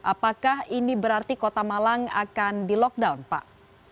apakah ini berarti kota malang akan di lockdown pak